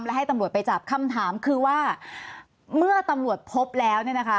และให้ตำรวจไปจับคำถามคือว่าเมื่อตำรวจพบแล้วเนี่ยนะคะ